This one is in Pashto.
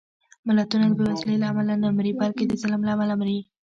ملتونه د بېوزلۍ له امله نه مري، بلکې د ظلم له امله مري